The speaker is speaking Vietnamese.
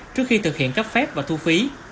trước khi thực hiện cấp phép và thu phí